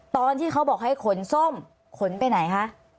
ตอนที่เขาบอกให้ขนส้มขนไปไหนคะ